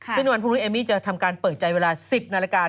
ซึ่งวันพบกับเอมมี่จะทำการเปิดใจเวลา๑๐นาฬกาศ์